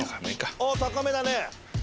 おっ高めだね